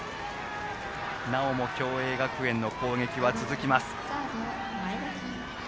なおも共栄学園の攻撃は続きます。